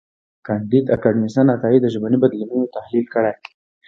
کانديد اکاډميسن عطایي د ژبني بدلونونو تحلیل کړی دی.